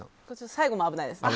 最後も危ないです。